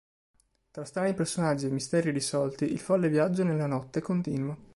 Tra strani personaggi e misteri irrisolti, il folle viaggio nella notte continua.